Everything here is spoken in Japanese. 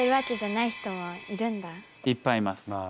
いっぱいいます。